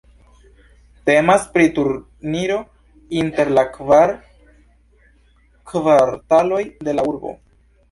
Temas pri turniro inter la kvar kvartaloj de la urbo.